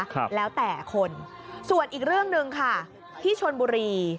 ครับแล้วแต่คนส่วนอีกเรื่องหนึ่งค่ะที่ชนบุรี